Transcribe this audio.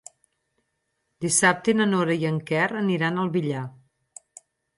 Dissabte na Nora i en Quer aniran al Villar.